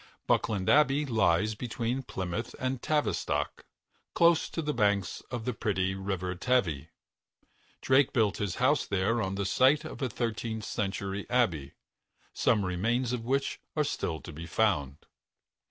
Buckland Abbey lies between Plymouth and Tavistock, close to the banks of the pretty River Tavy. Drake built his house there on the site of a thirteenth century abbey, some remains of which are still to be found.